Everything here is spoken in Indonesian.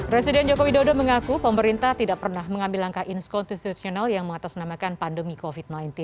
presiden joko widodo mengaku pemerintah tidak pernah mengambil langkah inskonstitusional yang mengatasnamakan pandemi covid sembilan belas